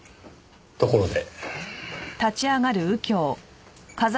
ところで。